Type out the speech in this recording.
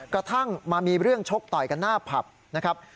กระทั่งมามีเรื่องชกต่อยกันหน้าผับนะครับ